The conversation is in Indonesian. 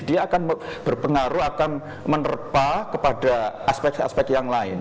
dia akan berpengaruh akan menerpa kepada aspek aspek yang lain